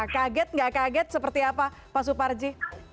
kaget nggak kaget seperti apa pak suparji